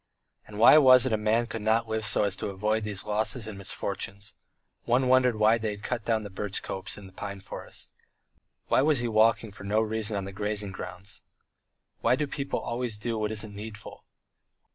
And why was it a man could not live so as to avoid these losses and misfortunes? One wondered why they had cut down the birch copse and the pine forest. Why was he walking with no reason on the grazing ground? Why do people always do what isn't needful?